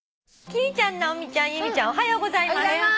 「貴理ちゃん直美ちゃん由美ちゃんおはようございます」